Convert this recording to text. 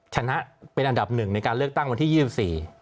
ชนะเป็นอันดับหนึ่งในการเลือกตั้งวันที่๒๔